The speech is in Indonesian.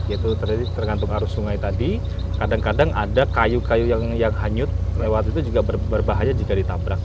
jadi tergantung arus sungai tadi kadang kadang ada kayu kayu yang hanyut lewat itu juga berbahaya jika ditabrak